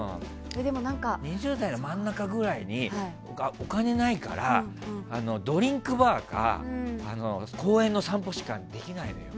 ２０代の真ん中ぐらいにお金ないから、ドリンクバーか公園の散歩しかできないのよ。